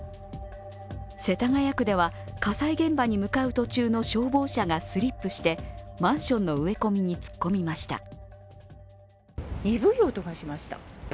世田谷区では火災現場に向かう途中の消防車がスリップして、マンションの植え込みに突っ込みました。